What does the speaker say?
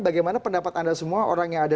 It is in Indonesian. bagaimana pendapat anda semua